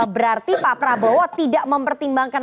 berarti pak prabowo tidak mempertimbangkan